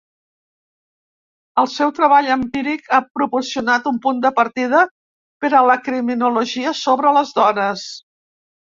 El seu treball empíric ha proporcionat un punt de partida per a la criminologia sobre les dones.